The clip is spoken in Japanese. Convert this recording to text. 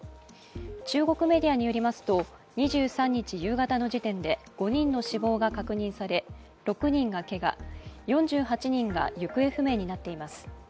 中国メディアによりますと、２３日夕方の時点で５人の死亡が確認され、６人がけが、４８人が行方不明になっています。